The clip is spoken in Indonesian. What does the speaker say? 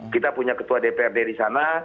kita punya ketua dprd di sana